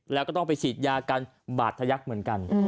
แล้วก็ต้องไปฉีดยากันบาดทะยักษ์เหมือนกัน